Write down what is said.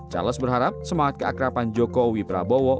charles berharap semangat keakrapan joko widodo